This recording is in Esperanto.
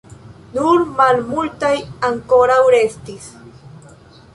Nur malmultaj ankoraŭ restis.